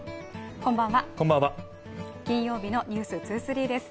こんばんは、金曜日の「ｎｅｗｓ２３」です。